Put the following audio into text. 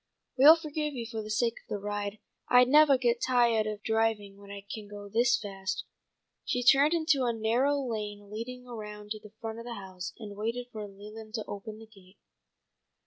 "We'll forgive you for the sake of the ride. I nevah get tiahed of driving when I can go this fast." She turned into a narrow lane leading around to the front of the house, and waited for Leland to open the gate.